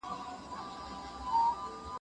د خپلې ژبې لوست مهم دی.